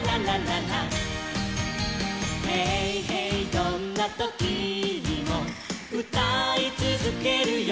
どんなときにもうたいつづけるよ」